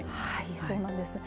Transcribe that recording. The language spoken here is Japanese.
そうなんです。